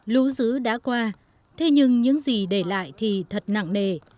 lũ dữ đã qua thế nhưng những gì để lại thì thật nặng nề